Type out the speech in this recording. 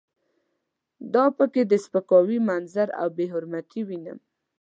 دا په کې د سپکاوي منظره او بې حرمتي وینم.